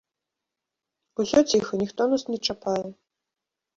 Усё ціха, ніхто нас не чапае.